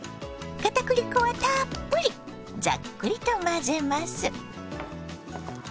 かたくり粉はたっぷりざっくりと混ぜます。